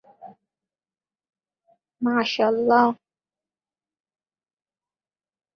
আহতদের তিনি চিকিৎসা সহায়তা দিয়েছিলেন।